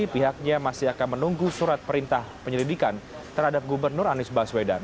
pihaknya masih akan menunggu surat perintah penyelidikan terhadap gubernur anies baswedan